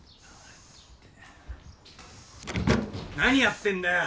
何やってんだよ！？